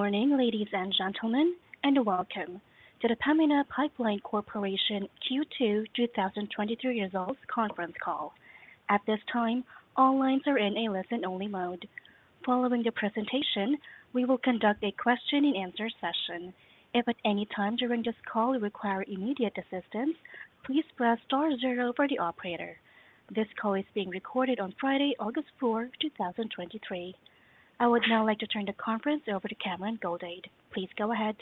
Good morning, ladies and gentlemen, and welcome to the Pembina Pipeline Corporation Q2 2023 Results Conference Call. At this time, all lines are in a listen-only mode. Following the presentation, we will conduct a question-and-answer session. If at any time during this call you require immediate assistance, please press star 0 for the operator. This call is being recorded on Friday, August 4, 2023. I would now like to turn the conference over to Cameron Goldade. Please go ahead.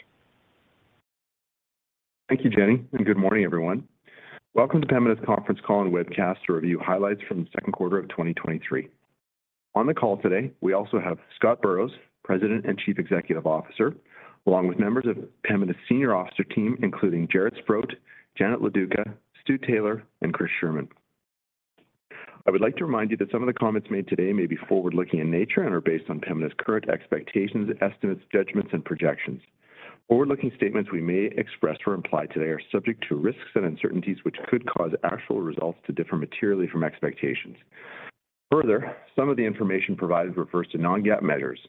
Thank you, Jenny. Good morning, everyone. Welcome to Pembina's conference call and webcast to review highlights from the second quarter of 2023. On the call today, we also have Scott Burrows, President and Chief Executive Officer, along with members of Pembina's senior officer team, including Jaret Sprott, Janet Loduca, Stu Taylor, and Chris Scheerman. I would like to remind you that some of the comments made today may be forward-looking in nature and are based on Pembina's current expectations, estimates, judgments, and projections. Forward-looking statements we may express or imply today are subject to risks and uncertainties, which could cause actual results to differ materially from expectations. Further, some of the information provided refers to non-GAAP measures.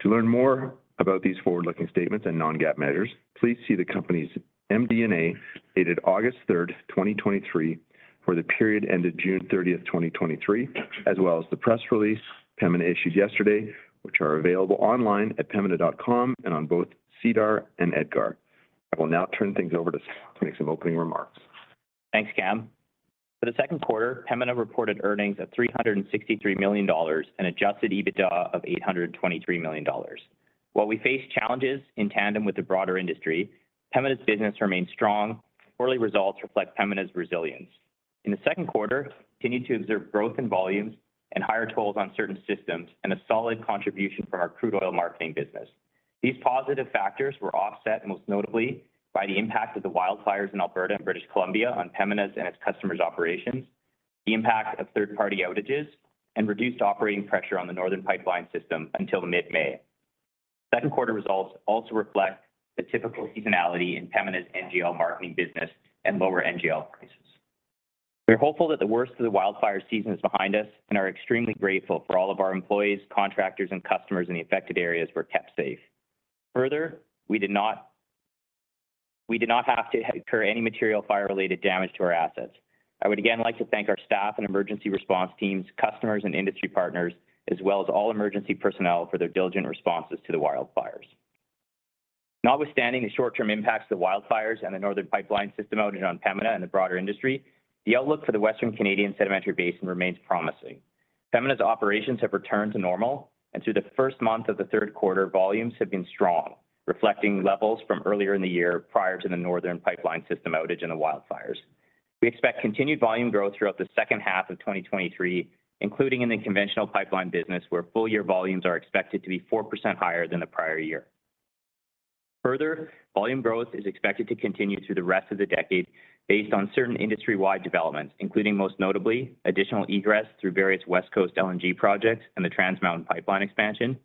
To learn more about these forward-looking statements and non-GAAP measures, please see the company's MD&A, dated August 3rd, 2023, for the period ended June 30th, 2023, as well as the press release Pembina issued yesterday, which are available online at pembina.com and on both SEDAR and EDGAR. I will now turn things over to Scott to make some opening remarks. Thanks, Cam. For the second quarter, Pembina reported earnings of 363 million dollars and Adjusted EBITDA of 823 million dollars. While we face challenges in tandem with the broader industry, Pembina's business remains strong. Quarterly results reflect Pembina's resilience. In the second quarter, we continued to observe growth in volumes and higher tolls on certain systems and a solid contribution from our crude oil marketing business. These positive factors were offset, most notably, by the impact of the wildfires in Alberta and British Columbia on Pembina's and its customers' operations, the impact of third-party outages, and reduced operating pressure on the Northern Pipeline System until mid-May. Second quarter results also reflect the typical seasonality in Pembina's NGL marketing business and lower NGL prices. We're hopeful that the worst of the wildfire season is behind us. We are extremely grateful for all of our employees, contractors, and customers in the affected areas were kept safe. Further, we did not have to incur any material fire-related damage to our assets. I would again like to thank our staff and emergency response teams, customers and industry partners, as well as all emergency personnel for their diligent responses to the wildfires. Notwithstanding the short-term impacts of the wildfires and the Northern Pipeline System outage on Pembina and the broader industry, the outlook for the Western Canadian Sedimentary Basin remains promising. Pembina's operations have returned to normal. Through the first month of the third quarter, volumes have been strong, reflecting levels from earlier in the year prior to the Northern Pipeline System outage and the wildfires. We expect continued volume growth throughout the second half of 2023, including in the conventional pipeline business, where full-year volumes are expected to be 4% higher than the prior year. Volume growth is expected to continue through the rest of the decade based on certain industry-wide developments, including, most notably, additional egress through various West Coast LNG projects and the Trans Mountain pipeline expansion,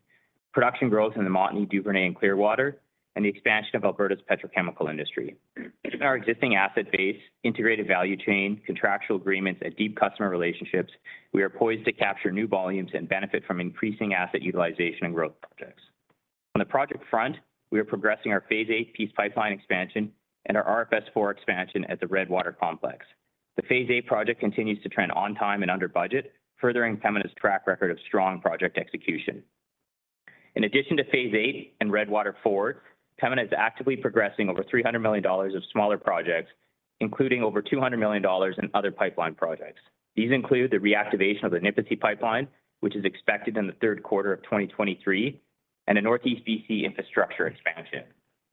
production growth in the Montney/Duvernay and Clearwater, and the expansion of Alberta's petrochemical industry. In our existing asset base, integrated value chain, contractual agreements, and deep customer relationships, we are poised to capture new volumes and benefit from increasing asset utilization and growth projects. On the project front, we are progressing our Phase VIII Peace Pipeline expansion and our RFS IV expansion at the Redwater Complex. The Phase VIII project continues to trend on time and under budget, furthering Pembina's track record of strong project execution. In addition to Phase VIII and Redwater four, Pembina is actively progressing over $300 million of smaller projects, including over $200 million in other pipeline projects. These include the reactivation of the Nipisi pipeline, which is expected in the third quarter of 2023, and a Northeast BC infrastructure expansion.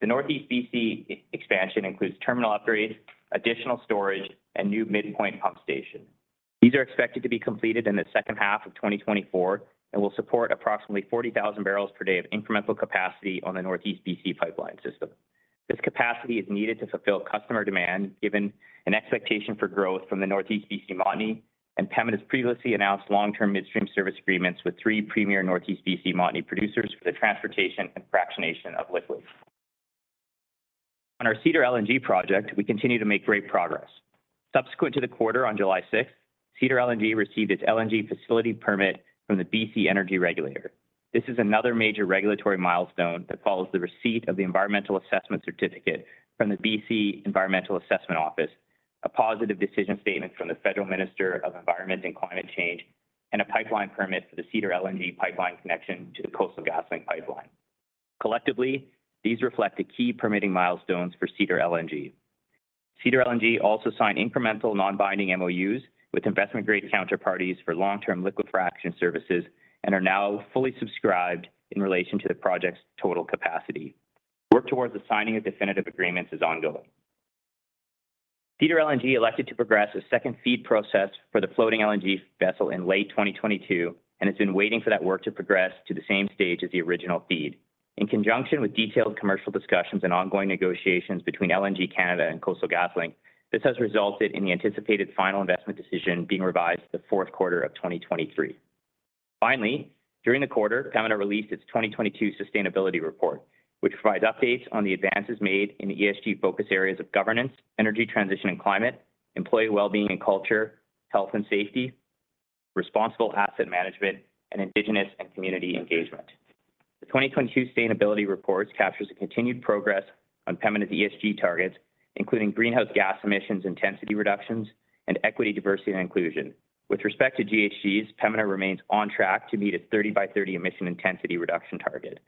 The Northeast BC expansion includes terminal upgrades, additional storage, and new midpoint pump station. These are expected to be completed in the second half of 2024 and will support approximately 40,000 barrels per day of incremental capacity on the Northeast BC pipeline system. This capacity is needed to fulfill customer demand, given an expectation for growth from the Northeast BC Montney and Pembina's previously announced long-term midstream service agreements with 3 premier Northeast BC Montney producers for the transportation and fractionation of liquids. On our Cedar LNG project, we continue to make great progress. Subsequent to the quarter on July 6, Cedar LNG received its LNG facility permit from the BC Energy Regulator. This is another major regulatory milestone that follows the receipt of the environmental assessment certificate from the BC Environmental Assessment Office, a positive decision statement from the Federal Minister of Environment and Climate Change, and a pipeline permit for the Cedar LNG pipeline connection to the Coastal GasLink pipeline. Collectively, these reflect the key permitting milestones for Cedar LNG. Cedar LNG signed incremental, non-binding MOUs with investment-grade counterparties for long-term liquid fraction services and are now fully subscribed in relation to the project's total capacity. Work towards the signing of definitive agreements is ongoing. Cedar LNG elected to progress a second feed process for the floating LNG vessel in late 2022, and it's been waiting for that work to progress to the same stage as the original feed. In conjunction with detailed commercial discussions and ongoing negotiations between LNG Canada and Coastal GasLink, this has resulted in the anticipated final investment decision being revised to the fourth quarter of 2023. During the quarter, Pembina released its 2022 sustainability report, which provides updates on the advances made in the ESG focus areas of governance, energy transition and climate, employee well-being and culture, health and safety, responsible asset management, and indigenous and community engagement. The 2022 sustainability report captures the continued progress on Pembina's ESG targets, including greenhouse gas emissions, intensity reductions, and equity, diversity, and inclusion. With respect to GHGs, Pembina remains on track to meet its 30 by 30 emission intensity reduction target.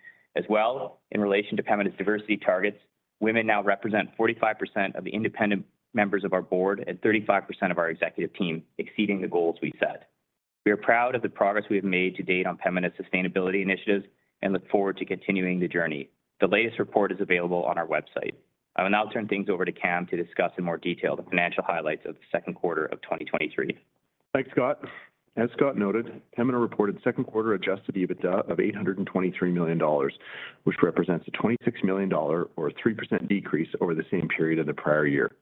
In relation to Pembina's diversity targets, women now represent 45% of the independent members of our board and 35% of our executive team, exceeding the goals we set. We are proud of the progress we have made to date on Pembina's sustainability initiatives and look forward to continuing the journey. The latest report is available on our website. I will now turn things over to Cam to discuss in more detail the financial highlights of the second quarter of 2023. Thanks, Scott. As Scott noted, Pembina reported second quarter Adjusted EBITDA of $823 million, which represents a $26 million or a 3% decrease over the same period of the prior year.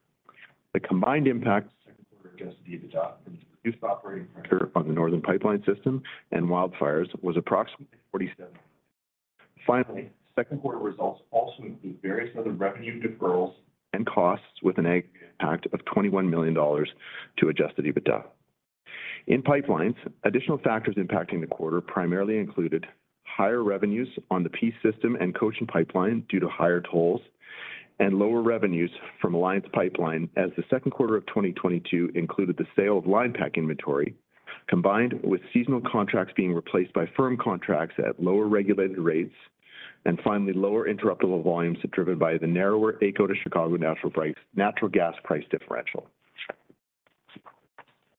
The combined impact of second quarter Adjusted EBITDA and reduced operating pressure on the Northern Pipeline System and wildfires was approximately $47 million. Finally, second quarter results also include various other revenue deferrals and costs with a net impact of $21 million to Adjusted EBITDA. In pipelines, additional factors impacting the quarter primarily included higher revenues on the Peace System and Cochin Pipeline due to higher tolls and lower revenues from Alliance Pipeline, as the second quarter of 2022 included the sale of linepack inventory, combined with seasonal contracts being replaced by firm contracts at lower regulated rates, and finally, lower interruptible volumes driven by the narrower AECO to Chicago natural price-- natural gas price differential.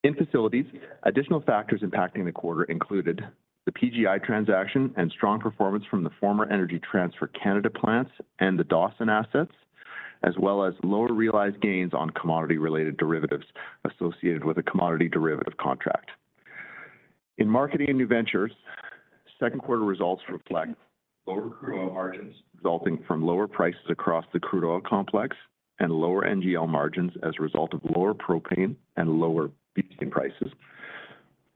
In facilities, additional factors impacting the quarter included the PGI transaction and strong performance from the former Energy Transfer Canada plants and the Dawson assets, as well as lower realized gains on commodity-related derivatives associated with a commodity derivative contract. In marketing and new ventures, second quarter results reflect lower crude oil margins resulting from lower prices across the crude oil complex and lower NGL margins as a result of lower propane and lower prices.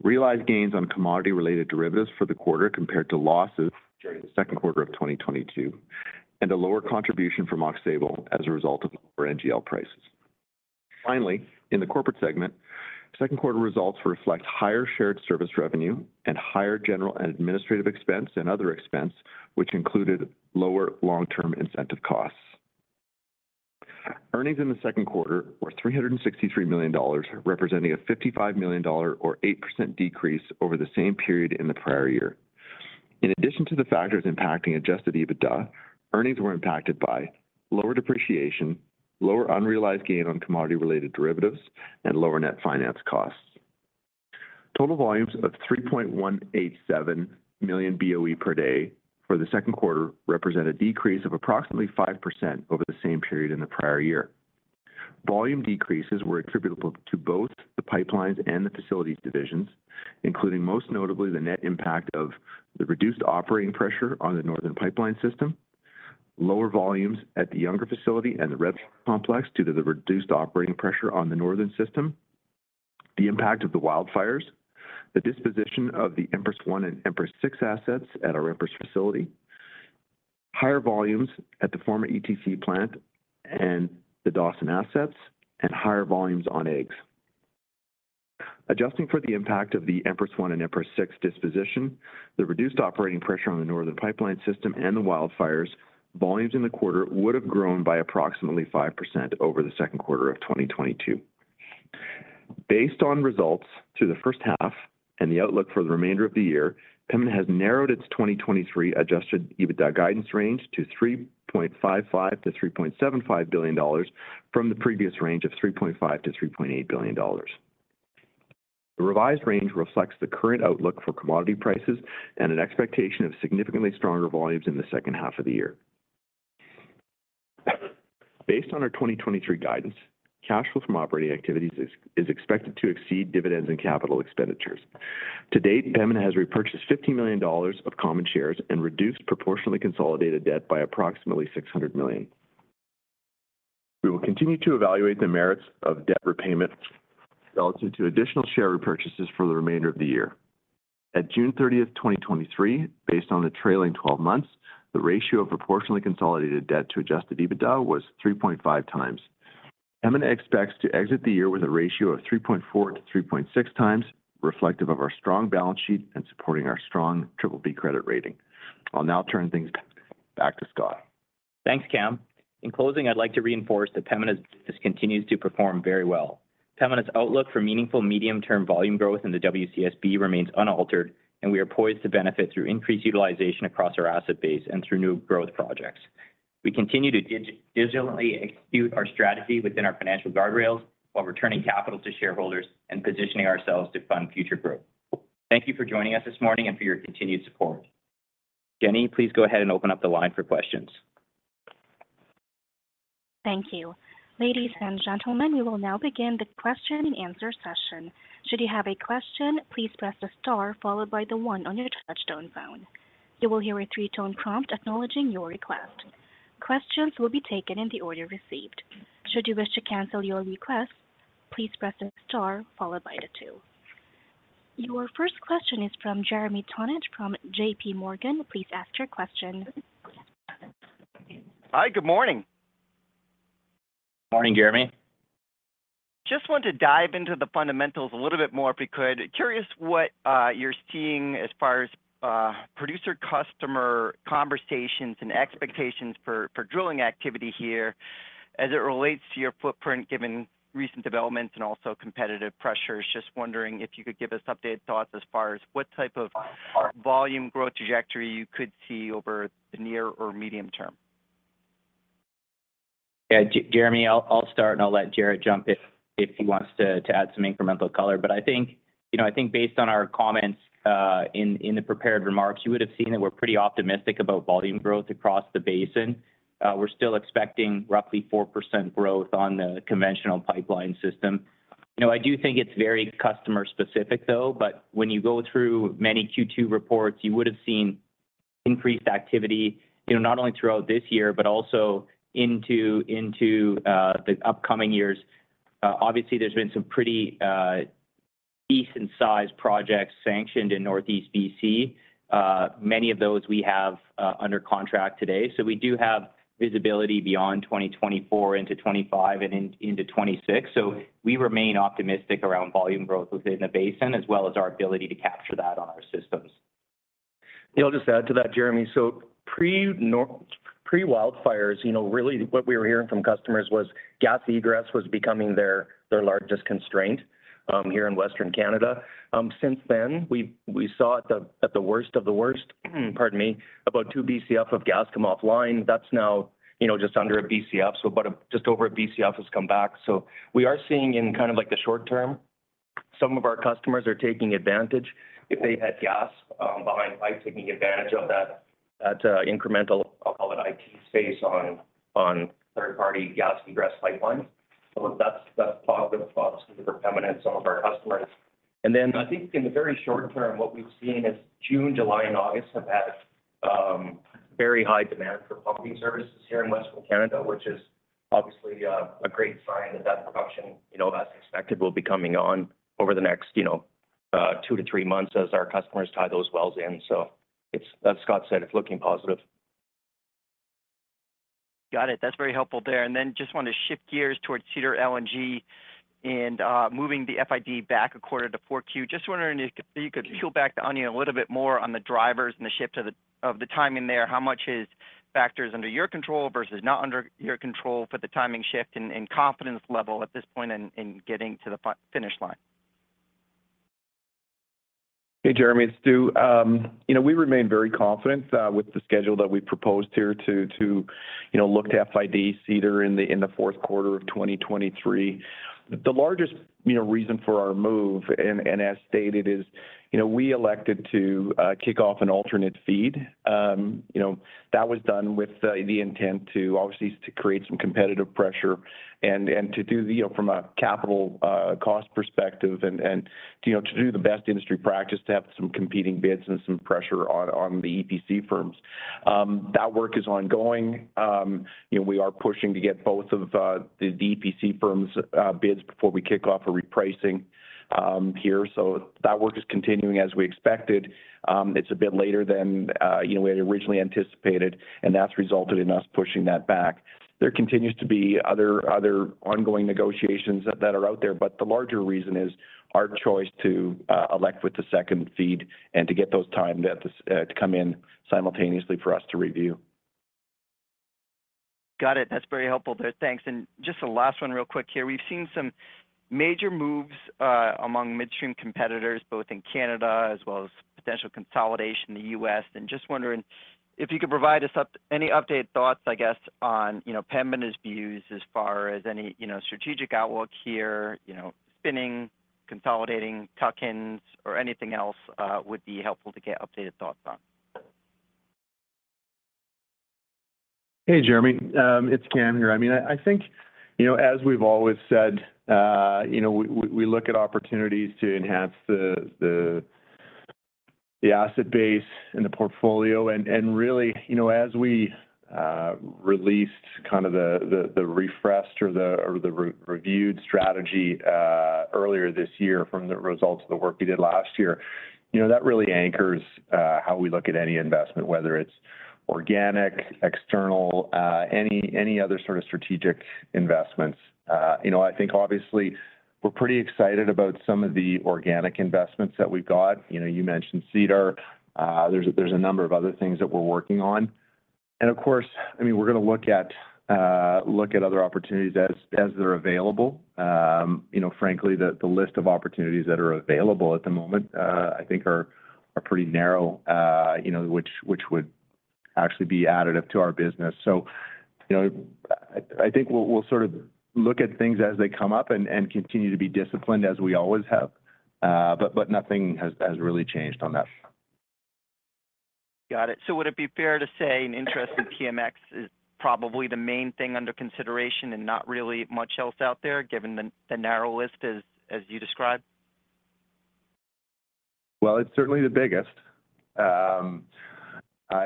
Realized gains on commodity-related derivatives for the quarter compared to losses during the second quarter of 2022, a lower contribution from Aux Sable as a result of lower NGL prices. Finally, in the corporate segment, second quarter results reflect higher shared service revenue and higher general and administrative expense and other expense, which included lower long-term incentive costs. Earnings in the second quarter were $363 million, representing a $55 million or 8% decrease over the same period in the prior year. In addition to the factors impacting Adjusted EBITDA, earnings were impacted by lower depreciation, lower unrealized gain on commodity-related derivatives, and lower net finance costs. Total volumes of 3.187 million BOE per day for the second quarter represent a decrease of approximately 5% over the same period in the prior year. Volume decreases were attributable to both the pipelines and the facilities divisions, including, most notably, the net impact of the reduced operating pressure on the Northern Pipeline System, lower volumes at the Younger facility and the Redwater Complex due to the reduced operating pressure on the Northern System, the impact of the wildfires, the disposition of the Empress I and Empress VI assets at our Empress facility, higher volumes at the former ETC plant and the Dawson assets, and higher volumes on AEGS. Adjusting for the impact of the Empress I and Empress VI disposition, the reduced operating pressure on the Northern Pipeline System and the wildfires, volumes in the quarter would have grown by approximately 5% over the second quarter of 2022. Based on results through the first half and the outlook for the remainder of the year, Pembina has narrowed its 2023 Adjusted EBITDA guidance range to 3.55 billion-3.75 billion dollars from the previous range of 3.5 billion-3.8 billion dollars. The revised range reflects the current outlook for commodity prices and an expectation of significantly stronger volumes in the second half of the year. Based on our 2023 guidance, cash flow from operating activities is expected to exceed dividends and capital expenditures. To date, Pembina has repurchased 15 million dollars of common shares and reduced proportionally consolidated debt by approximately 600 million. We will continue to evaluate the merits of debt repayment relative to additional share repurchases for the remainder of the year. At June 30, 2023, based on the trailing 12 months, the ratio of proportionally consolidated debt to Adjusted EBITDA was 3.5 times. Pembina expects to exit the year with a ratio of 3.4-3.6 times, reflective of our strong balance sheet and supporting our strong BBB credit rating. I'll now turn things back to Scott. Thanks, Cam. In closing, I'd like to reinforce that Pembina's business continues to perform very well. Pembina's outlook for meaningful medium-term volume growth in the WCSB remains unaltered. We are poised to benefit through increased utilization across our asset base and through new growth projects. We continue to diligently execute our strategy within our financial guardrails while returning capital to shareholders and positioning ourselves to fund future growth. Thank you for joining us this morning and for your continued support. Jenny, please go ahead and open up the line for questions. Thank you. Ladies and gentlemen, we will now begin the question and answer session. Should you have a question, please press the star followed by the one on your touchtone phone. You will hear a three-tone prompt acknowledging your request. Questions will be taken in the order received. Should you wish to cancel your request, please press star followed by the two. Your first question is from Jeremy Tonet, from J.P. Morgan. Please ask your question. Hi, good morning. Morning, Jeremy. Just want to dive into the fundamentals a little bit more, if we could. Curious what you're seeing as far as producer-customer conversations and expectations for, for drilling activity here as it relates to your footprint, given recent developments and also competitive pressures. Just wondering if you could give us updated thoughts as far as what type of volume growth trajectory you could see over the near or medium term? Yeah, Jeremy, I'll, I'll start, I'll let Jaret jump in if he wants to add some incremental color. I think, you know, I think based on our comments in the prepared remarks, you would've seen that we're pretty optimistic about volume growth across the basin. We're still expecting roughly 4% growth on the conventional pipeline system. You know, I do think it's very customer specific though, when you go through many Q2 reports, you would've seen increased activity, you know, not only throughout this year, but also into the upcoming years. Obviously, there's been some pretty decent-sized projects sanctioned in Northeast BC. Many of those we have under contract today. We do have visibility beyond 2024 into 2025 and into 2026. We remain optimistic around volume growth within the basin, as well as our ability to capture that on our systems. Yeah, I'll just add to that, Jeremy. Pre-wildfires, you know, really what we were hearing from customers was gas egress was becoming their, their largest constraint here in Western Canada. Since then, we, we saw at the, at the worst of the worst, pardon me, about two Bcf of gas come offline. That's now, you know, just under 1 Bcf, so about just over 1 Bcf has come back. We are seeing in kind of like the short term, some of our customers are taking advantage. If they had gas behind pipe, taking advantage of that, that incremental, I'll call it, IT space on, on third-party gas egress pipelines. That's, that's positive for us and for some of our customers. Then I think in the very short term, what we've seen is June, July, and August have had, very high demand for pumping services here in Western Canada, which is obviously, a great sign that that production, you know, as expected, will be coming on over the next, you know, two to three months as our customers tie those wells in. It's-- as Scott said, it's looking positive. Got it. That's very helpful there. Just want to shift gears towards Cedar LNG, moving the FID back according to 4Q. Just wondering if you could peel back the onion a little bit more on the drivers and the shift of the, of the timing there. How much is factors under your control versus not under your control for the timing shift and confidence level at this point in getting to the finish line? Hey, Jeremy, it's Stu. you know, we remain very confident, with the schedule that we proposed here to, you know, look to FID Cedar in the fourth quarter of 2023. The largest, you know, reason for our move, as stated, is, you know, we elected to kick off an alternate feed. you know, that was done with the intent to, obviously, to create some competitive pressure to do the, you know, from a capital cost perspective, you know, to do the best industry practice, to have some competing bids and some pressure on the EPC firms. That work is ongoing. you know, we are pushing to get both of the EPC firms bids before we kick off a repricing here. That work is continuing as we expected. It's a bit later than, you know, we had originally anticipated, and that's resulted in us pushing that back. There continues to be other, other ongoing negotiations that, that are out there, but the larger reason is our choice to elect with the second feed and to get those timed to come in simultaneously for us to review. Got it. That's very helpful there. Thanks. Just the last one real quick here. We've seen some major moves among midstream competitors, both in Canada as well as potential consolidation in the U.S., and just wondering if you could provide us any updated thoughts, I guess, on, you know, Pembina's views as far as any, you know, strategic outlook here, you know, spinning, consolidating, tuck-ins, or anything else, would be helpful to get updated thoughts on. Hey, Jeremy. I mean, it's Cam here. I mean, I, I think, you know, as we've always said, you know, we, we, we look at opportunities to enhance the, the, the asset base and the portfolio. Really, you know, as we released kind of the, the, the refreshed or the, or the re-reviewed strategy earlier this year from the results of the work we did last year, you know, that really anchors how we look at any investment, whether it's organic, external, any, any other sort of strategic investments. You know, I think obviously we're pretty excited about some of the organic investments that we've got. You know, you mentioned Cedar. There's, there's a number of other things that we're working on. Of course, I mean, we're gonna look at, look at other opportunities as, as they're available. You know, frankly, the, the list of opportunities that are available at the moment, I think are, are pretty narrow, you know, which, which would actually be additive to our business. You know, I, I think we'll, we'll sort of look at things as they come up and, and continue to be disciplined as we always have. Nothing has, has really changed on that. Got it. Would it be fair to say an interest in TMX is probably the main thing under consideration and not really much else out there, given the, the narrow list as, as you described? Well, it's certainly the biggest. I,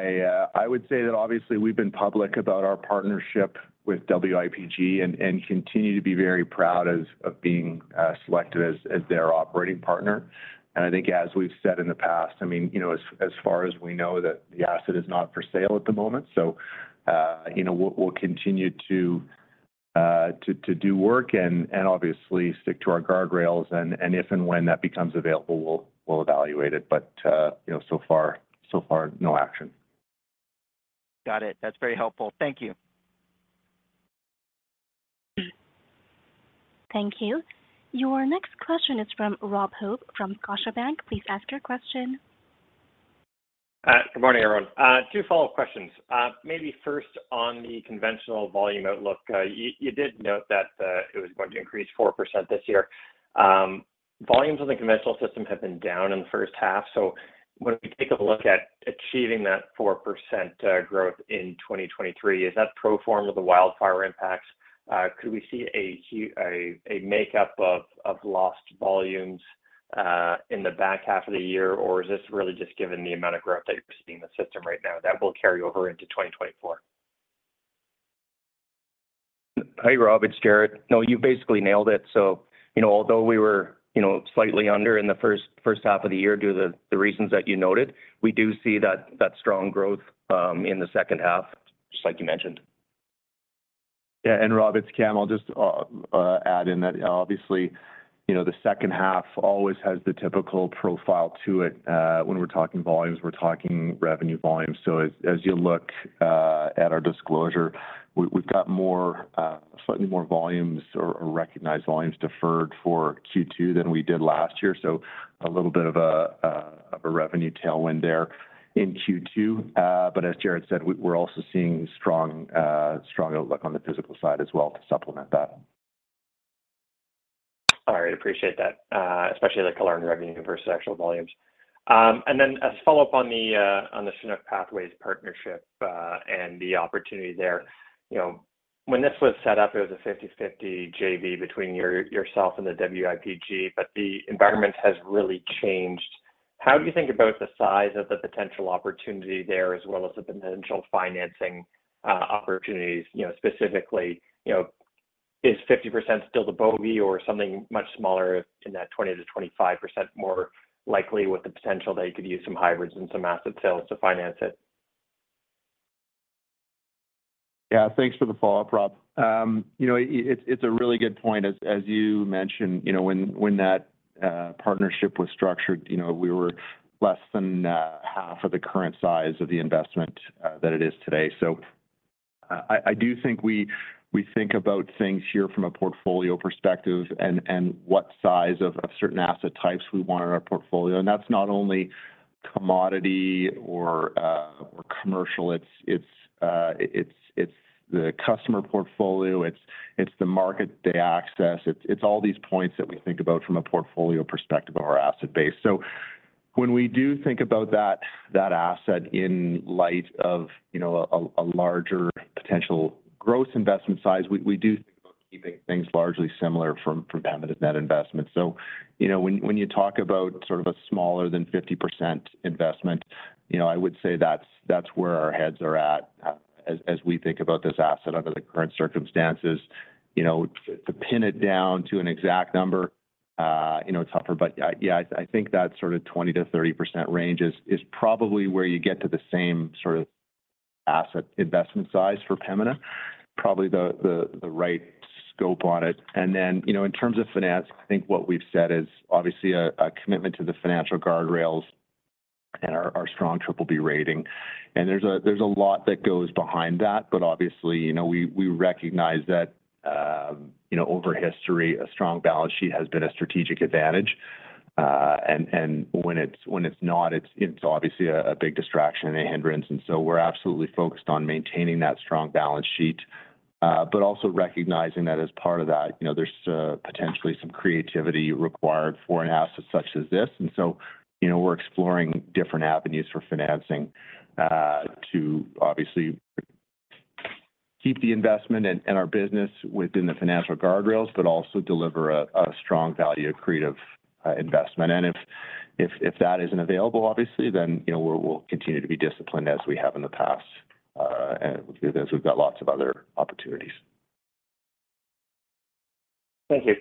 I would say that obviously we've been public about our partnership with WIPG and, and continue to be very proud as-- of being, selected as, as their operating partner. I think as we've said in the past, I mean, you know, as, as far as we know that the asset is not for sale at the moment, you know, we'll, we'll continue to-.... to, to do work and, and obviously stick to our guardrails. If and when that becomes available, we'll, we'll evaluate it. You know, so far, so far, no action. Got it. That's very helpful. Thank you. Thank you. Your next question is from Rob Hope from Scotiabank. Please ask your question. Good morning, everyone. two follow-up questions. Maybe first, on the conventional volume outlook, you, you did note that it was going to increase 4% this year. Volumes on the conventional system have been down in the first half. When we take a look at achieving that 4% growth in 2023, is that pro forma the wildfire impacts? Could we see a makeup of lost volumes in the back half of the year? Or is this really just given the amount of growth that you're seeing in the system right now that will carry over into 2024? Hey, Rob, it's Jaret. No, you basically nailed it. You know, although we were, you know, slightly under in the first half of the year, due to the reasons that you noted, we do see that strong growth in the second half, just like you mentioned. Yeah, Rob, it's Cam. I'll just add in that obviously, you know, the second half always has the typical profile to it. When we're talking volumes, we're talking revenue volumes. As you look at our disclosure, we've got more, slightly more volumes or recognized volumes deferred for Q2 than we did last year. A little bit of a revenue tailwind there in Q2. As Jaret said, we're also seeing strong, strong outlook on the physical side as well to supplement that. All right. Appreciate that, especially the color in revenue versus actual volumes. As a follow-up on the Chinook Pathways partnership and the opportunity there, you know, when this was set up, it was a 50/50 JV between yourself and the WIPG, but the environment has really changed. How do you think about the size of the potential opportunity there, as well as the potential financing opportunities? You know, specifically, you know, is 50% still the bogey or something much smaller in that 20%-25% more likely with the potential that you could use some hybrids and some asset sales to finance it? Yeah, thanks for the follow-up, Rob. You know, it's, it's a really good point. As, as you mentioned, you know, when, when that partnership was structured, you know, we were less than 0.5 of the current size of the investment that it is today. I, I do think we, we think about things here from a portfolio perspective and, and what size of, of certain asset types we want in our portfolio. That's not only commodity or commercial, it's, it's, it's, it's the customer portfolio, it's, it's the market, the access. It's, it's all these points that we think about from a portfolio perspective of our asset base. When we do think about that, that asset in light of a larger potential growth investment size, we, we do think about keeping things largely similar from, from them as net investments. When, when you talk about sort of a smaller than 50% investment, I would say that's, that's where our heads are at as, as we think about this asset under the current circumstances. To pin it down to an exact number, tougher. Yeah, I think that sort of 20%-30% range is, is probably where you get to the same sort of asset investment size for Pembina, probably the, the, the right scope on it. You know, in terms of finance, I think what we've said is obviously a commitment to the financial guardrails and our strong BBB rating. There's a lot that goes behind that, but obviously, you know, we recognize that, you know, over history, a strong balance sheet has been a strategic advantage. And when it's not, it's obviously a big distraction and a hindrance. We're absolutely focused on maintaining that strong balance sheet, but also recognizing that as part of that, you know, there's potentially some creativity required for an asset such as this. You know, we're exploring different avenues for financing, to obviously keep the investment and our business within the financial guardrails, but also deliver a strong value accretive investment. If, if, if that isn't available, obviously, then, you know, we'll, we'll continue to be disciplined as we have in the past, and as we've got lots of other opportunities. Thank you.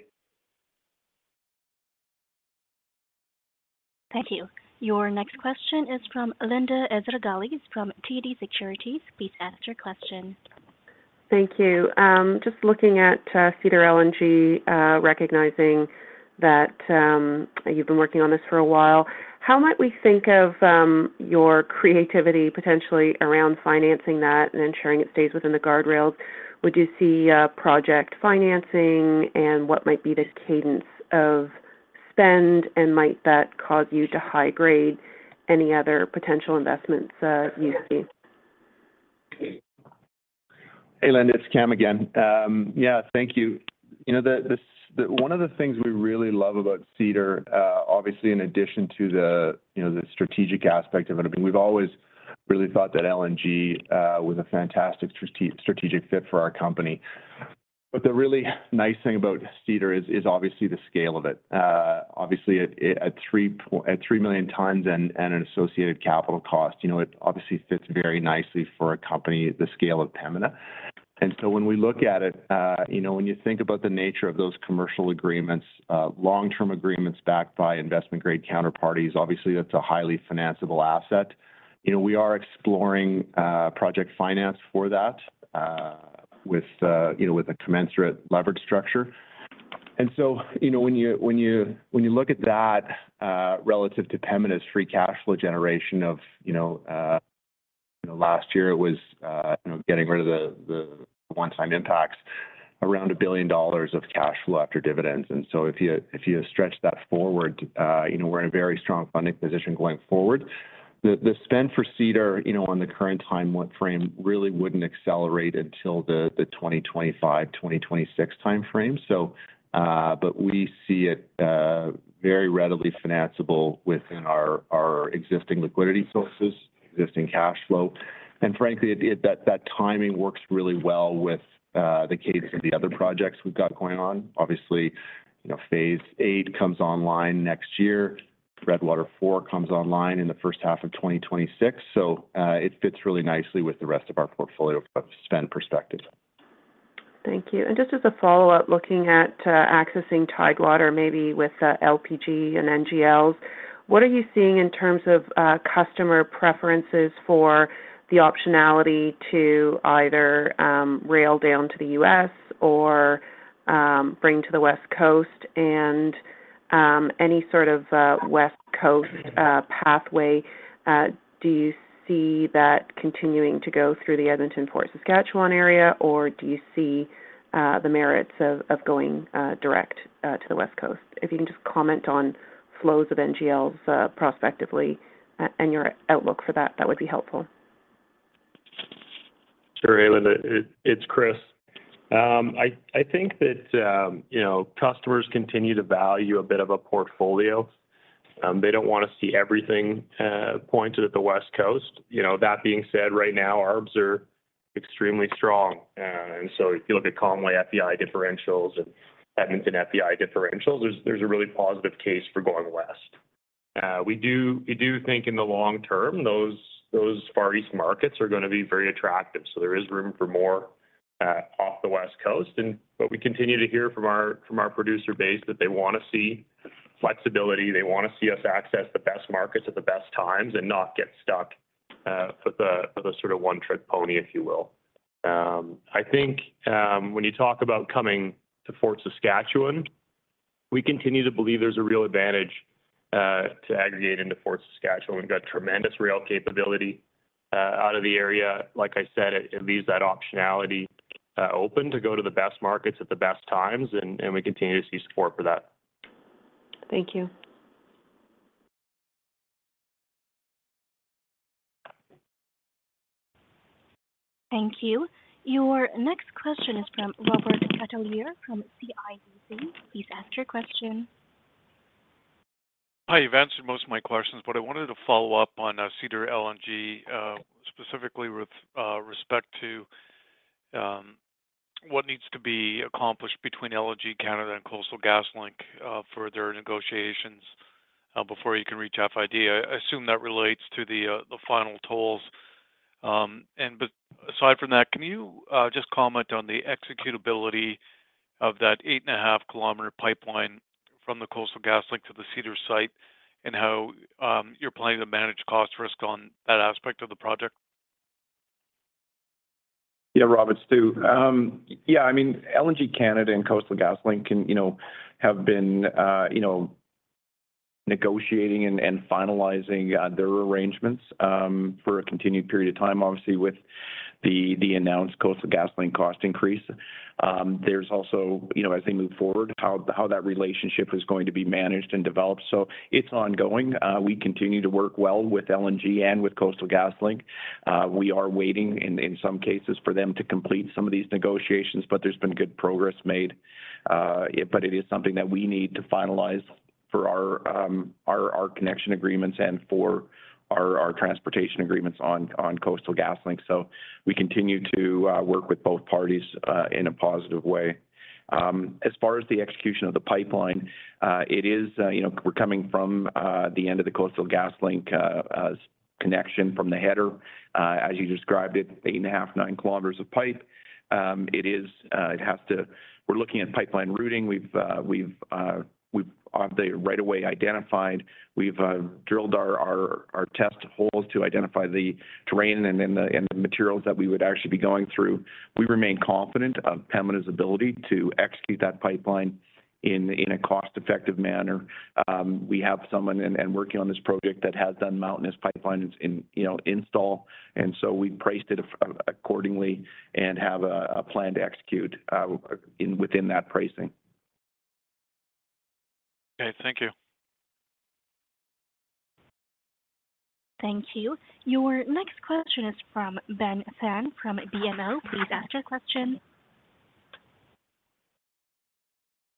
Thank you. Your next question is from Linda Ezergailis from TD Securities. Please ask your question. Thank you. just looking at Cedar LNG, recognizing that you've been working on this for a while, how might we think of your creativity potentially around financing that and ensuring it stays within the guardrails? Would you see project financing, and what might be the cadence of spend, and might that cause you to high-grade any other potential investments you see? Hey, Linda, it's Cam again. Yeah, thank you. You know, one of the things we really love about Cedar, obviously, in addition to the, you know, the strategic aspect of it, I mean, we've always really thought that LNG was a fantastic strategic, strategic fit for our company. The really nice thing about Cedar is, is obviously the scale of it. Obviously, at 3 million tons and an associated capital cost, you know, it obviously fits very nicely for a company the scale of Pembina. When we look at it, you know, when you think about the nature of those commercial agreements, long-term agreements backed by investment-grade counterparties, obviously, that's a highly financiable asset. You know, we are exploring project finance for that, with, you know, with a commensurate leverage structure.... you know, when you, when you, when you look at that, relative to Pembina's free cash flow generation of, you know, you know, last year it was, you know, getting rid of the, the one-time impacts around 1 billion dollars of cash flow after dividends. If you, if you stretch that forward, you know, we're in a very strong funding position going forward. The, the spend for Cedar, you know, on the current time frame, really wouldn't accelerate until the 2025, 2026 time frame. But we see it very readily financeable within our, our existing liquidity sources, existing cash flow. It, it, that, that timing works really well with the case of the other projects we've got going on. Obviously, you know, Phase VIII comes online next year. Redwater 4 comes online in the first half of 2026, it fits really nicely with the rest of our portfolio from a spend perspective. Thank you. Just as a follow-up, looking at accessing Tidewater, maybe with LPG and NGLs, what are you seeing in terms of customer preferences for the optionality to either rail down to the U.S. or bring to the West Coast? Any sort of West Coast pathway, do you see that continuing to go through the Edmonton, Fort Saskatchewan area, or do you see the merits of, of going direct to the West Coast? If you can just comment on flows of NGLs prospectively a- and your outlook for that, that would be helpful? Sure, Linda. It's Chris. I think that, you know, customers continue to value a bit of a portfolio. They don't wanna see everything pointed at the West Coast. You know, that being said, right now, ARBS are extremely strong. If you look at Conway FPI differentials and Edmonton FPI differentials, there's a really positive case for going west. We do think in the long term, those Far East markets are gonna be very attractive, so there is room for more off the West Coast. We continue to hear from our producer base that they wanna see flexibility, they wanna see us access the best markets at the best times and not get stuck with a sort of one-trick pony, if you will. I think, when you talk about coming to Fort Saskatchewan, we continue to believe there's a real advantage to aggregate into Fort Saskatchewan. We've got tremendous rail capability out of the area. Like I said, it, it leaves that optionality open to go to the best markets at the best times, and, and we continue to see support for that. Thank you. Thank you. Your next question is from Robert Catellier from CIBC. Please ask your question. Hi, you've answered most of my questions. I wanted to follow up on Cedar LNG specifically with respect to what needs to be accomplished between LNG Canada and Coastal GasLink for their negotiations before you can reach FID. I assume that relates to the final tolls. Aside from that, can you just comment on the executability of that 8.5 kilometer pipeline from the Coastal GasLink to the Cedar site, and how you're planning to manage cost risk on that aspect of the project? Yeah, Robert, Stu. Yeah, I mean, LNG Canada and Coastal GasLink can, you know, have been, you know, negotiating and finalizing their arrangements for a continued period of time, obviously, with the announced Coastal GasLink cost increase. There's also, you know, as they move forward, how that relationship is going to be managed and developed. It's ongoing. We continue to work well with LNG and with Coastal GasLink. We are waiting in some cases for them to complete some of these negotiations, but there's been good progress made. It is something that we need to finalize for our connection agreements and for our transportation agreements on Coastal GasLink. We continue to work with both parties in a positive way. As far as the execution of the pipeline, it is, you know, we're coming from the end of the Coastal GasLink connection from the header. As you described it, 8.5, 9 kilometers of pipe. We're looking at pipeline routing. We've, we've, we've obviously right away identified. We've drilled our, our, our test holes to identify the terrain and then the, and the materials that we would actually be going through. We remain confident of Pembina's ability to execute that pipeline in, in a cost-effective manner. We have someone in and working on this project that has done mountainous pipeline in, you know, install, and so we've priced it accordingly and have a plan to execute in within that pricing. Okay, thank you. Thank you. Your next question is from Ben Pham from BMO. Please ask your question.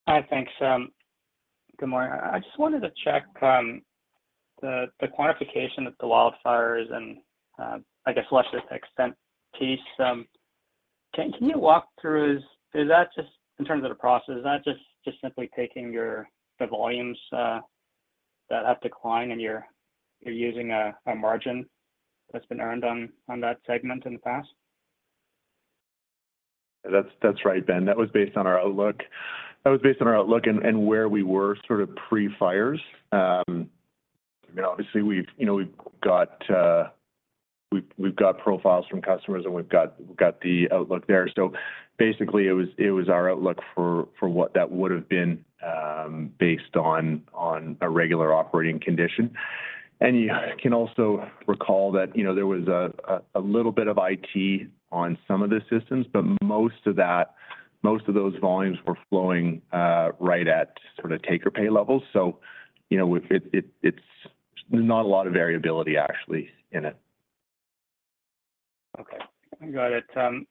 Hi, thanks. Good morning. I just wanted to check the quantification of the wildfires and, I guess, less the extent piece. Can you walk through? Is that just in terms of the process, is that just simply taking your the volumes that have declined and you're using a margin that's been earned on that segment in the past? That's, that's right, Ben. That was based on our outlook. That was based on our outlook and, and where we were sort of pre-fires. I mean, obviously, we've, you know, we've got, we've, we've got profiles from customers, and we've got, we've got the outlook there. Basically, it was, it was our outlook for, for what that would have been, based on, on a regular operating condition. You can also recall that, you know, there was a, a, a little bit of IT on some of the systems, but most of that, most of those volumes were flowing, right at sort of take-or-pay levels. You know, it, it, it's, there's not a lot of variability actually in it. Okay, got it. Then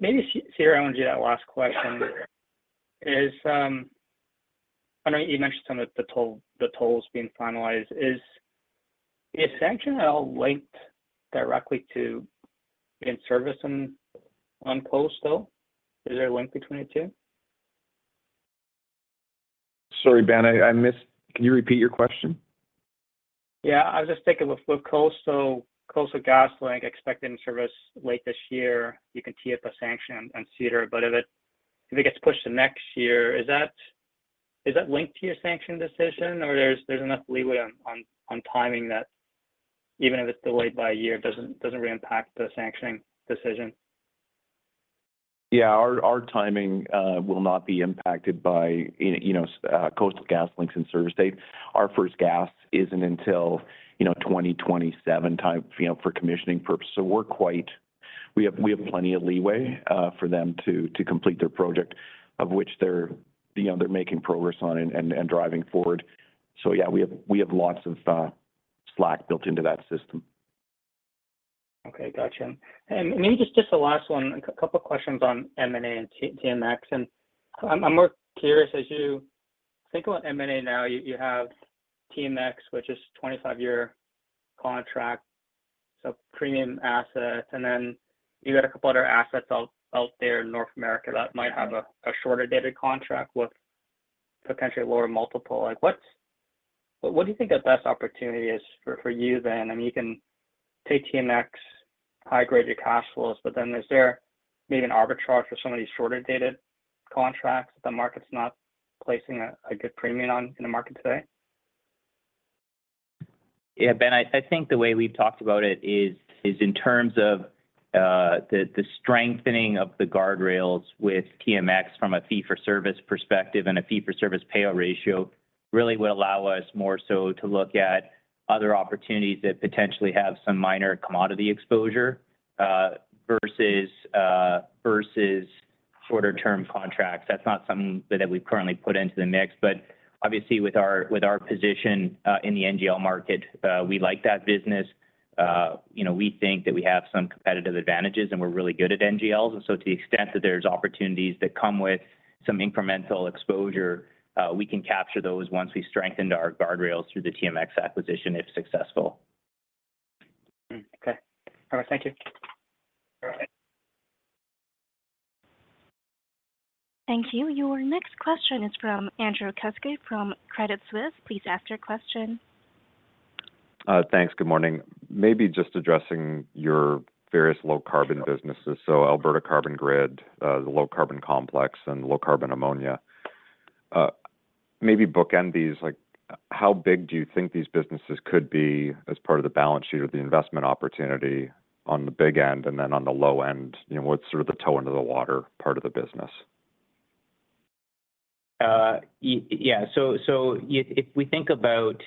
maybe, Cedar, I want to do that last question. Is, I know you mentioned some of the tolls being finalized. Is Sanction at all linked directly to in-service on Coastal? Is there a link between the two? Sorry, Ben, I missed. Can you repeat your question? Yeah, I was just thinking with, with Coastal. Coastal GasLink expected in service late this year, you can tee up a sanction on Cedar, but if it, if it gets pushed to next year, is that, is that linked to your sanction decision, or there's, there's enough leeway on, on, on timing that even if it's delayed by a year, it doesn't, doesn't really impact the sanctioning decision? Yeah, our timing will not be impacted by, you know, Coastal GasLinks in-service date. Our first gas isn't until, you know, 2027 type, you know, for commissioning purposes. We have, we have plenty of leeway for them to complete their project, of which they're, you know, they're making progress on and driving forward. Yeah, we have, we have lots of slack built into that system. Okay, got you. Maybe just, just the last one, a couple of questions on M&A and TMX. I'm more curious, as you think about M&A now, you have TMX, which is a 25-year contract, so premium assets, then you got a couple other assets out there in North America that might have a shorter dated contract with potentially lower multiple. Like, what do you think the best opportunity is for you then? I mean, you can take TMX, high-grade your cash flows, but then is there maybe an arbitrage for some of these shorter dated contracts that the market's not placing a good premium on in the market today? Yeah, Ben, I, I think the way we've talked about it is, is in terms of, the, the strengthening of the guardrails with TMX from a fee-for-service perspective and a fee-for-service payout ratio, really will allow us more so to look at other opportunities that potentially have some minor commodity exposure, versus, versus shorter-term contracts. That's not something that, that we've currently put into the mix, but obviously, with our, with our position, in the NGL market, we like that business. you know, we think that we have some competitive advantages, and we're really good at NGLs. So to the extent that there's opportunities that come with some incremental exposure, we can capture those once we strengthen our guardrails through the TMX acquisition, if successful. Hmm. Okay. All right. Thank you. All right. Thank you. Your next question is from Andrew Kuske, from Credit Suisse. Please ask your question. Thanks. Good morning. Maybe just addressing your various low-carbon businesses. Alberta Carbon Grid, the Low Carbon Complex, and low-carbon ammonia. Maybe bookend these, like, how big do you think these businesses could be as part of the balance sheet or the investment opportunity on the big end, and then on the low end, you know, what's sort of the toe in the water part of the business? Yeah. If we think about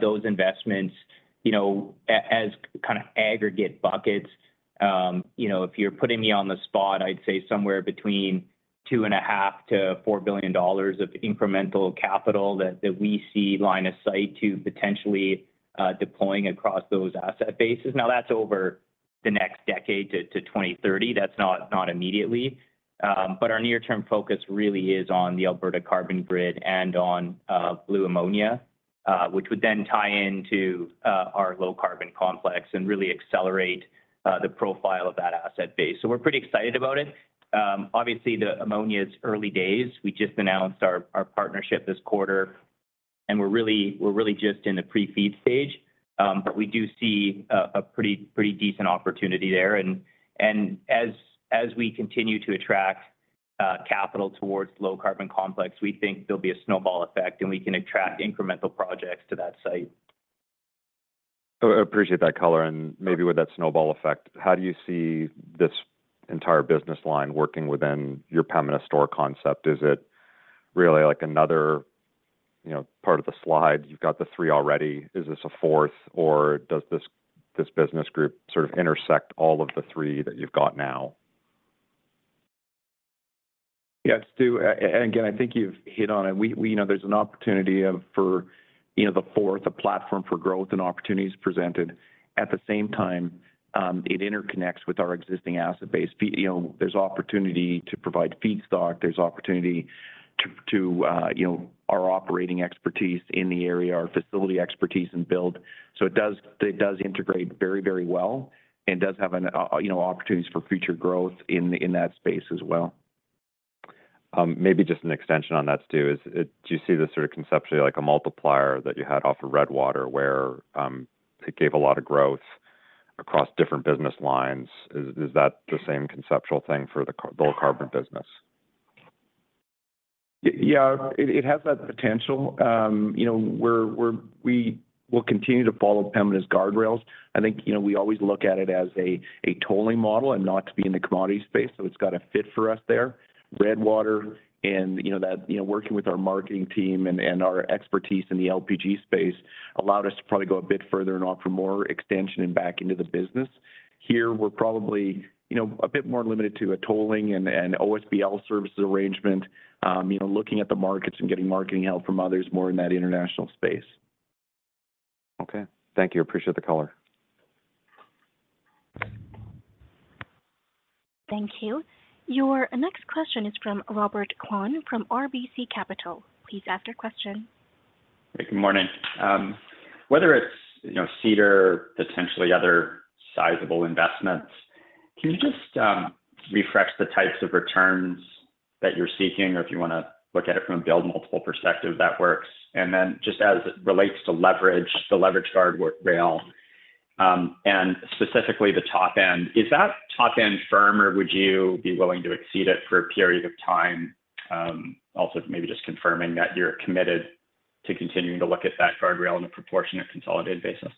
those investments, you know, as kind of aggregate buckets, you know, if you're putting me on the spot, I'd say somewhere between $2.5 billion-$4 billion of incremental capital that we see line of sight to potentially deploying across those asset bases. That's over the next decade to 2030. That's not immediately, but our near-term focus really is on the Alberta Carbon Grid and on blue ammonia, which would then tie into our Low Carbon Complex and really accelerate the profile of that asset base. We're pretty excited about it. Obviously, the ammonia is early days. We just announced our, our partnership this quarter, and we're really, we're really just in the pre-FEED stage, but we do see a, a pretty, pretty decent opportunity there. As, as we continue to attract, capital towards Low Carbon Complex, we think there'll be a snowball effect, and we can attract incremental projects to that site. I, I appreciate that color, and maybe with that snowball effect, how do you see this entire business line working within your permanent store concept? Is it really like another, you know, part of the slide? You've got the three already. Is this a fourth, or does this, this business group sort of intersect all of the three that you've got now? Yes, Stu, again, I think you've hit on it. We, we know there's an opportunity of, for, you know, the fourth, a platform for growth and opportunities presented. At the same time, it interconnects with our existing asset base. You know, there's opportunity to provide feedstock, there's opportunity to, to, you know, our operating expertise in the area, our facility expertise, and build. It does, it does integrate very, very well and does have an, you know, opportunities for future growth in, in that space as well. Maybe just an extension on that, Stu. Do you see this sort of conceptually like a multiplier that you had off of Redwater, where it gave a lot of growth across different business lines? Is that the same conceptual thing for the low-carbon business?... Yeah, it, it has that potential. You know, we're, we will continue to follow Pembina's guardrails. I think, you know, we always look at it as a, a tolling model and not to be in the commodity space, so it's got a fit for us there. Redwater and, you know, that, you know, working with our marketing team and, and our expertise in the LPG space allowed us to probably go a bit further and offer more expansion and back into the business. Here, we're probably, you know, a bit more limited to a tolling and, and OSBL services arrangement, you know, looking at the markets and getting marketing help from others more in that international space. Okay. Thank you. Appreciate the color. Thank you. Your next question is from Robert Kwan from RBC Capital. Please ask your question. Good morning. Whether it's, you know, Cedar, potentially other sizable investments, can you just refresh the types of returns that you're seeking, or if you wanna look at it from a build multiple perspective, that works? Then just as it relates to leverage, the leverage guardrail, and specifically the top end, is that top end firm, or would you be willing to exceed it for a period of time? Maybe just confirming that you're committed to continuing to look at that guardrail on a proportionate consolidated basis.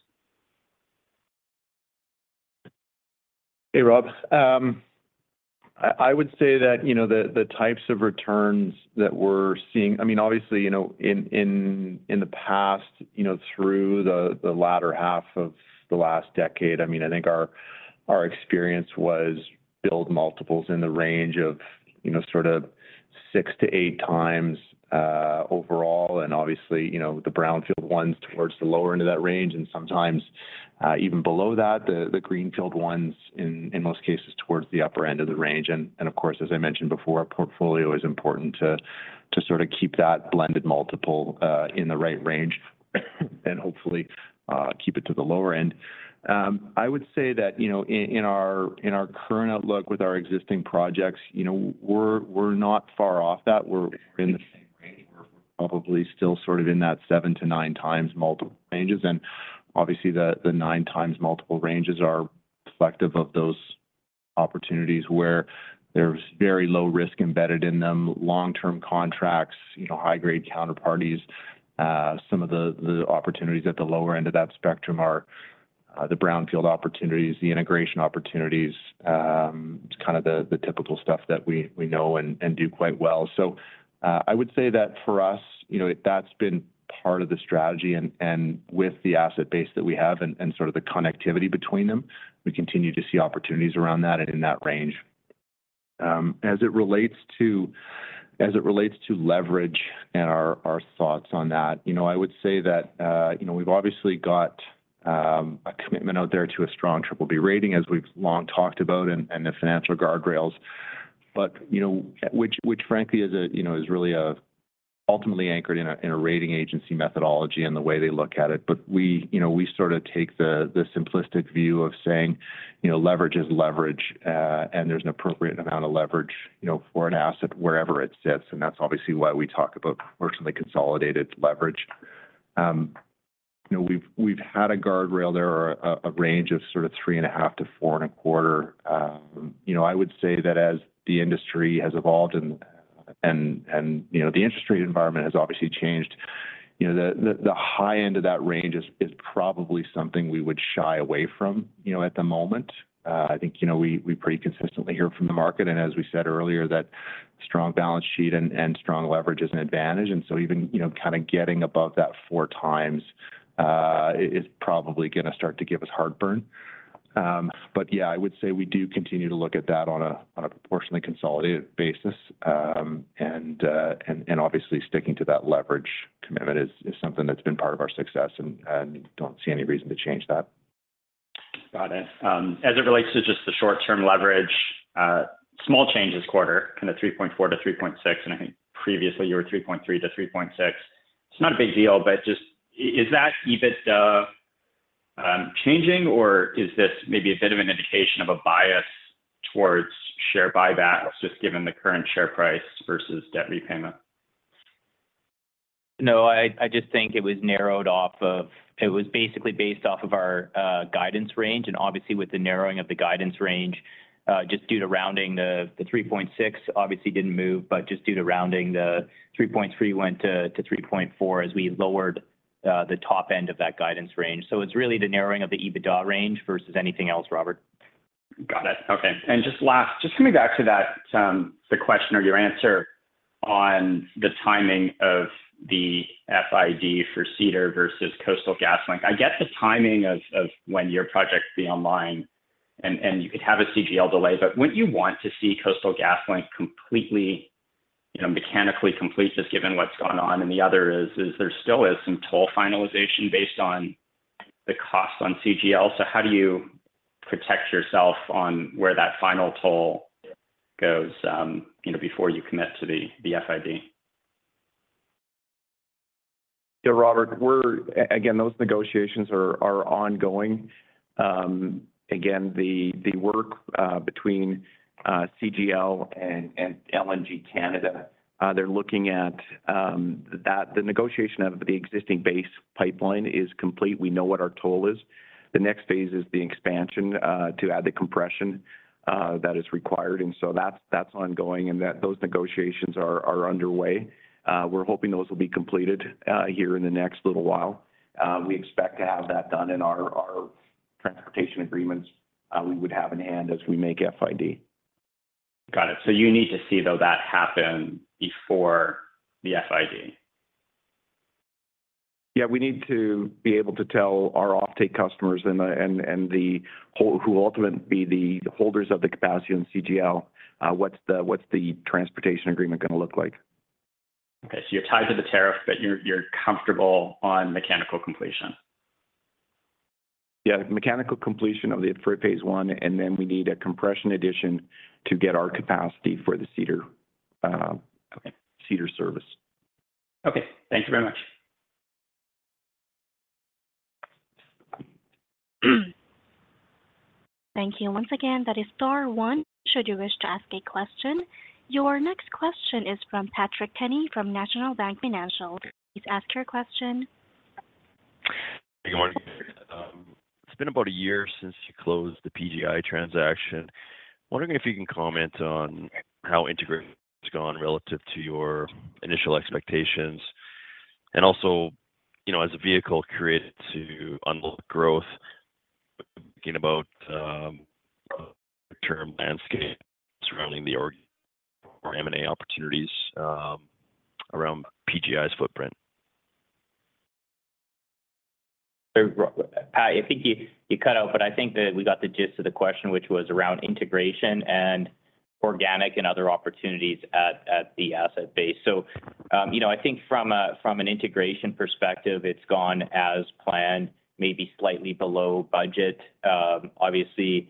Hey, Rob. I, I would say that, you know, the, the types of returns that we're seeing-- I mean, obviously, you know, in, in, in the past, you know, through the, the latter half of the last decade, I mean, I think our, our experience was build multiples in the range of, you know, sort of 6x-8x overall. Obviously, you know, the brownfield ones towards the lower end of that range, and sometimes, even below that. The, the greenfield ones in, in most cases, towards the upper end of the range. Of course, as I mentioned before, our portfolio is important to, to sort of keep that blended multiple in the right range, and hopefully, keep it to the lower end. I would say that, you know, in, in our, in our current outlook with our existing projects, you know, we're, we're not far off that. We're in the same range. We're probably still sort of in that 7 to 9 times multiple ranges. Obviously, the, the 9 times multiple ranges are reflective of those opportunities where there's very low risk embedded in them, long-term contracts, you know, high-grade counterparties. Some of the, the opportunities at the lower end of that spectrum are, the brownfield opportunities, the integration opportunities. It's kind of the, the typical stuff that we, we know and, and do quite well. I would say that for us, you know, that's been part of the strategy, and, and with the asset base that we have and, and sort of the connectivity between them, we continue to see opportunities around that and in that range. As it relates to, as it relates to leverage and our, our thoughts on that, you know, I would say that, you know, we've obviously got a commitment out there to a strong BBB rating, as we've long talked about, and, and the financial guardrails. You know, which, which, frankly, is a, you know, is really ultimately anchored in a, in a rating agency methodology and the way they look at it. We, you know, we sort of take the, the simplistic view of saying, you know, leverage is leverage, and there's an appropriate amount of leverage, you know, for an asset wherever it sits, and that's obviously why we talk about personally consolidated leverage. You know, we've, we've had a guardrail there or a, a range of sort of 3.5-4.25. You know, I would say that as the industry has evolved and, and, and, you know, the industry environment has obviously changed, you know, the, the, the high end of that range is, is probably something we would shy away from, you know, at the moment. w, we, we pretty consistently hear from the market, and as we said earlier, that strong balance sheet and, and strong leverage is an advantage. So even, you know, kind of getting above that 4 times is probably going to start to give us heartburn. But yeah, I would say we do continue to look at that on a, on a proportionately consolidated basis, and, and obviously, sticking to that leverage commitment is, is something that's been part of our success, and, and don't see any reason to change that. Got it. As it relates to just the short-term leverage, small changes quarter, kind of 3.4-3.6, and I think previously you were 3.3-3.6. It's not a big deal, but just is that EBITDA changing, or is this maybe a bit of an indication of a bias towards share buyback, just given the current share price versus debt repayment? No, I, I just think it was narrowed. It was basically based off of our guidance range, and obviously with the narrowing of the guidance range, just due to rounding the 3.6, obviously didn't move, but just due to rounding, the 3.3 went to 3.4 as we lowered the top end of that guidance range. It's really the narrowing of the EBITDA range versus anything else, Robert. Got it. Okay. Just last, just coming back to that, the question or your answer on the timing of the FID for Cedar versus Coastal GasLink. I get the timing of, of when your project will be online, and, and you could have a CGL delay, but wouldn't you want to see Coastal GasLink completely, you know, mechanically complete, just given what's gone on? The other is, is there still is some toll finalization based on the cost on CGL, so how do you protect yourself on where that final toll goes, you know, before you commit to the, the FID? Yeah, Robert, we're again, those negotiations are ongoing. Again, the work between CGL and LNG Canada, they're looking at that. The negotiation of the existing base pipeline is complete. We know what our toll is. The next phase is the expansion to add the compression.... that is required, and so that's, that's ongoing, and that- those negotiations are, are underway. We're hoping those will be completed here in the next little while. We expect to have that done in our, our transportation agreements, we would have in hand as we make FID. Got it. You need to see, though, that happen before the FID? Yeah, we need to be able to tell our offtake customers who will ultimately be the, the holders of the capacity on CGL, what's the, what's the transportation agreement gonna look like? Okay. You're tied to the tariff, but you're, you're comfortable on mechanical completion? Yeah, mechanical completion of the Phase 1, and then we need a compression addition to get our capacity for the Cedar. Okay... Cedar service. Okay. Thank you very much. Thank you. Once again, that is star one should you wish to ask a question. Your next question is from Patrick Kenny from National Bank Financial. Please ask your question. Good morning. It's been about a year since you closed the PGI transaction. Wondering if you can comment on how integration has gone relative to your initial expectations? Also, you know, as a vehicle created to unlock growth, thinking about long-term landscape surrounding the org or M&A opportunities around PGI's footprint? Pa, I think you, you cut out, but I think that we got the gist of the question, which was around integration and organic and other opportunities at, at the asset base. You know, I think from a, from an integration perspective, it's gone as planned, maybe slightly below budget. Obviously,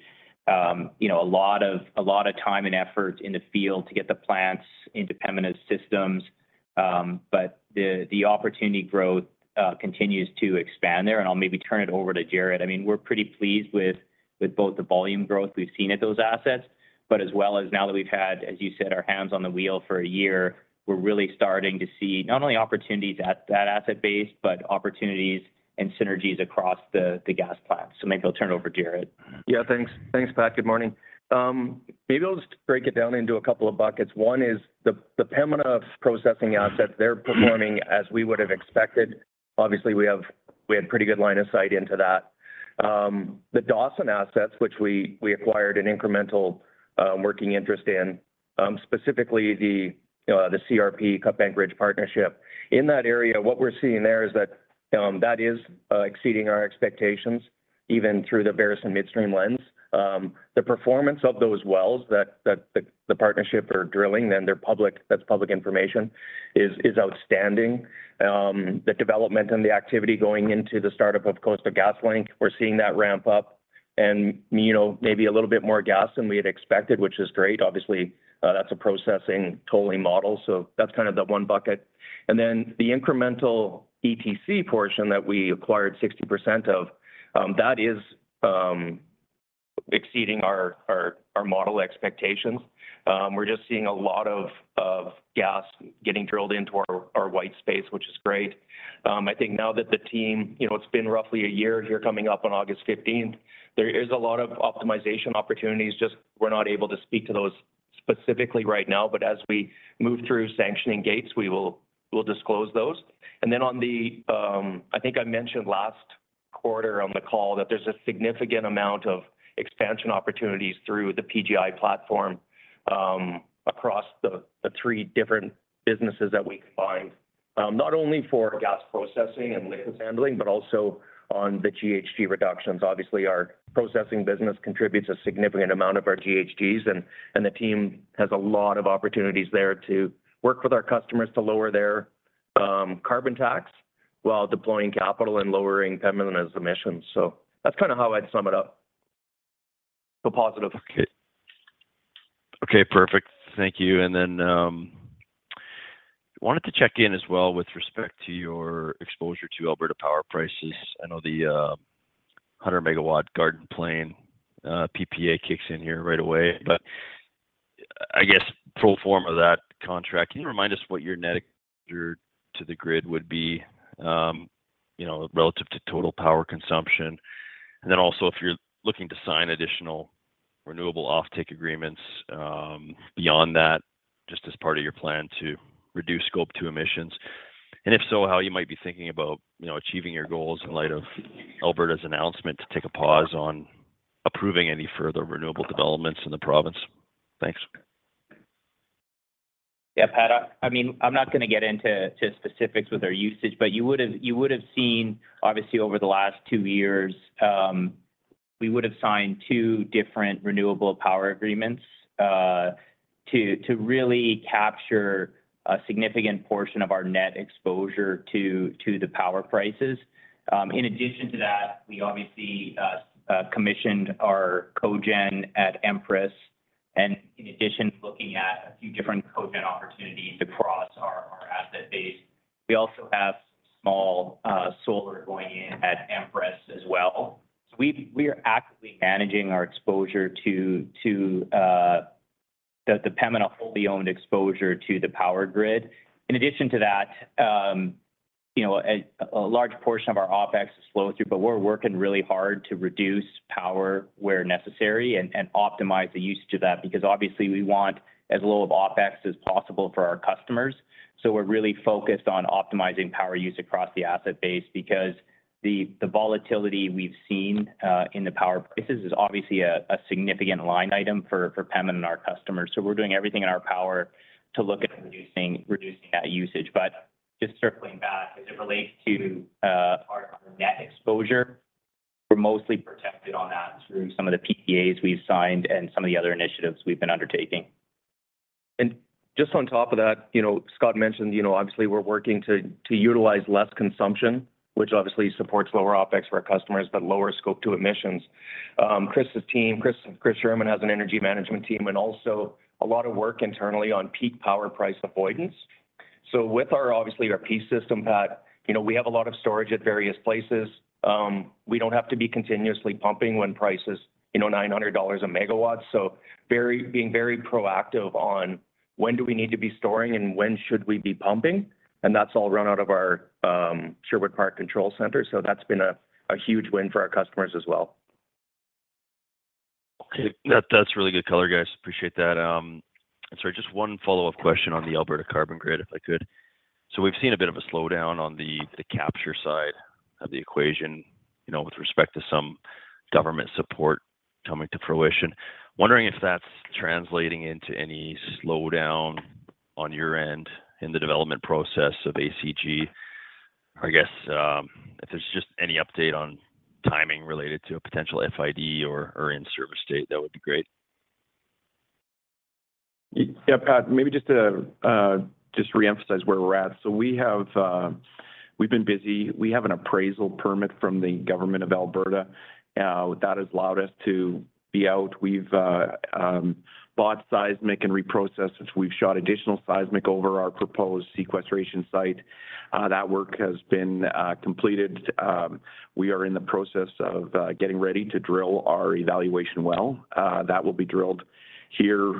you know, a lot of, a lot of time and effort in the field to get the plants into permanent systems, but the, the opportunity growth continues to expand there, and I'll maybe turn it over to Jaret. I mean, we're pretty pleased with, with both the volume growth we've seen at those assets, but as well as now that we've had, as you said, our hands on the wheel for a year, we're really starting to see not only opportunities at that asset base, but opportunities and synergies across the gas plant. Maybe I'll turn it over to Jaret.. Yeah, thanks. Thanks, Pat. Good morning. Maybe I'll just break it down into a couple of buckets. 1 is the Pembina processing assets, they're performing as we would have expected. Obviously, we had pretty good line of sight into that. The Dawson assets, which we, we acquired an incremental working interest in, specifically the CRP, Cutbank Ridge Partnership. In that area, what we're seeing there is that that is exceeding our expectations, even through the Veresen Midstream lens. The performance of those wells that the partnership are drilling, and they're public, that's public information, is outstanding. The development and the activity going into the startup of Coastal GasLink, we're seeing that ramp up and, you know, maybe a little bit more gas than we had expected, which is great. Obviously, that's a processing tolling model, that's kind of the one bucket. The incremental ETC portion that we acquired 60% of, that is exceeding our, our, our model expectations. We're just seeing a lot of, of gas getting drilled into our, our white space, which is great. I think now that the team, you know, it's been roughly a year here coming up on August 15th, there is a lot of optimization opportunities. Just we're not able to speak to those specifically right now, but as we move through sanctioning gates, we'll disclose those. On the, I think I mentioned last quarter on the call that there's a significant amount of expansion opportunities through the PGI platform, across the 3 different businesses that we combined. Not only for gas processing and liquid handling, but also on the GHG reductions. Obviously, our processing business contributes a significant amount of our GHGs, and, and the team has a lot of opportunities there to work with our customers to lower their carbon tax while deploying capital and lowering Pembina's emissions. That's kind of how I'd sum it up. Positive. Okay. Okay, perfect. Thank you. Then, wanted to check in as well with respect to your exposure to Alberta power prices. I know the 100-megawatt Garden Plain PPA kicks in here right away, but I guess pro forma of that contract, can you remind us what your net exposure to the grid would be, you know, relative to total power consumption? Also, if you're looking to sign additional renewable offtake agreements, beyond that, just as part of your plan to reduce Scope 2 emissions, and if so, how you might be thinking about, you know, achieving your goals in light of Alberta's announcement to take a pause on approving any further renewable developments in the province? Thanks. Yeah, Pat, I, I mean, I'm not gonna get into, to specifics with our usage, but you would've, you would've seen, obviously, over the last two years, we would've signed two different renewable power agreements, to, to really capture a significant portion of our net exposure to, to the power prices. In addition to that, we obviously commissioned our cogen at Empress, and in addition, looking at a few different cogen opportunities across our, our asset base. We also have small solar going in at Empress as well. So we, we are actively managing our exposure to, to the, the Pembina fully owned exposure to the power grid. In addition to that, you know, a, a large portion of our OpEx is flowing through, but we're working really hard to reduce power where necessary and, and optimize the use to that, because obviously we want as little of OpEx as possible for our customers. We're really focused on optimizing power use across the asset base, because the, the volatility we've seen in the power prices is obviously a, a significant line item for, for Pembina and our customers. We're doing everything in our power to look at reducing, reducing that usage. Just circling back, as it relates to our net exposure, we're mostly protected on that through some of the PPAs we've signed and some of the other initiatives we've been undertaking. Just on top of that, you know, Scott mentioned, you know, obviously we're working to utilize less consumption, which obviously supports lower OpEx for our customers, but lower Scope 2 emissions. Chris's team, Chris Scheeren, has an energy management team and also a lot of work internally on peak power price avoidance. With our, obviously, our Peace System, Pat, you know, we have a lot of storage at various places. We don't have to be continuously pumping when price is, you know, 900 dollars a megawatt. Being very proactive on when do we need to be storing and when should we be pumping, and that's all run out of our Sherwood Park Control Center. That's been a huge win for our customers as well. Okay. That, that's really good color, guys. Appreciate that. Sorry, just one follow-up question on the Alberta Carbon Grid, if I could. We've seen a bit of a slowdown on the, the capture side of the equation, you know, with respect to some government support coming to fruition. Wondering if that's translating into any slowdown on your end in the development process of ACG? I guess, if there's just any update on timing related to a potential FID or, or in-service date, that would be great. Yeah, Pat, maybe just to just reemphasize where we're at. We have we've been busy. We have an appraisal permit from the government of Alberta that has allowed us to be out. We've bought seismic and reprocessed, since we've shot additional seismic over our proposed sequestration site. That work has been completed. We are in the process of getting ready to drill our evaluation well. That will be drilled here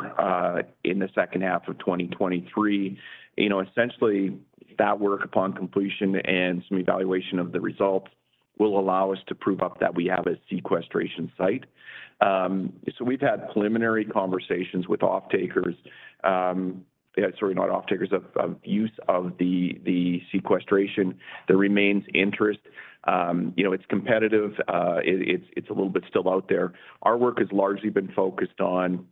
in the second half of 2023. You know, essentially, that work upon completion and some evaluation of the results will allow us to prove up that we have a sequestration site. We've had preliminary conversations with off-takers, Sorry, not off-takers, of, of use of the, the sequestration. There remains interest. You know, it's competitive. It, it's, it's a little bit still out there. Our work has largely been focused on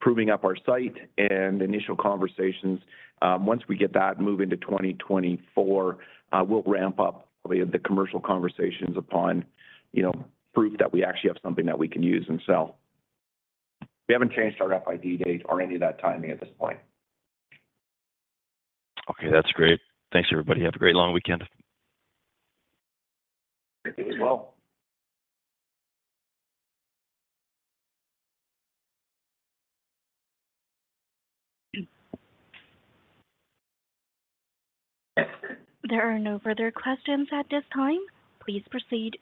proving up our site and initial conversations. Once we get that and move into 2024, we'll ramp up the, the commercial conversations upon, you know, proof that we actually have something that we can use and sell. We haven't changed our FID date or any of that timing at this point. Okay, that's great. Thanks, everybody. Have a great long weekend. You as well. There are no further questions at this time. Please proceed.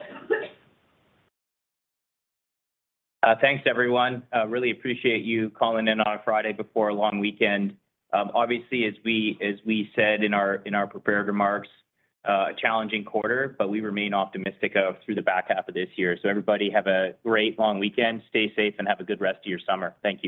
Thanks, everyone. Really appreciate you calling in on a Friday before a long weekend. Obviously, as we, as we said in our, in our prepared remarks, a challenging quarter, but we remain optimistic through the back half of this year. Everybody, have a great long weekend, stay safe, and have a good rest of your summer. Thank you.